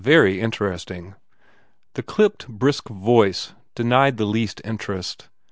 Very interesting." The clipped, brisk voice de nied the least interest.